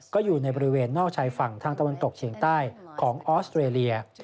ก็อยู่ในบริเวณนอกชายฝั่งทางตะวันตกเฉียงใต้ของออสเตรเลีย